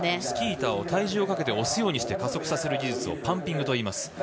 スキー板を体重をかけて押すようにして加速させる技術をパンピングといいます。